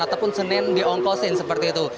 ataupun senin diongkosin seperti itu